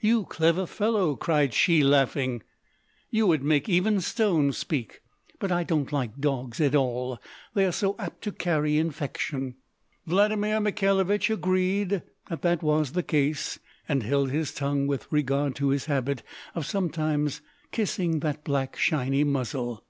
"You clever fellow," cried she, laughing; "you would make even stones speak. But I don't like dogs at all: they are so apt to carry infection." Vladimir Mikhailovich agreed that that was the case, and held his tongue with regard to his habit of sometimes kissing that black shiny muzzle.